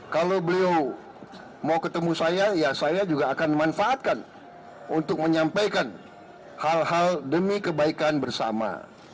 kalau beliau mau ketemu saya ya saya juga akan manfaatkan untuk menyampaikan hal hal demi kebaikan bersama